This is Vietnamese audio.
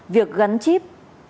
việc gắn chip